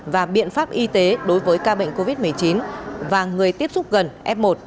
và biện pháp y tế đối với ca bệnh covid một mươi chín và người tiếp xúc gần f một